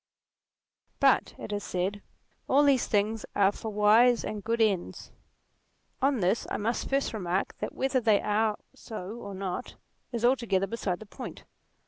But, it is said, all these things are for wise and good ends. On this I must first remark that whether they are so or not, is altogether beside the point.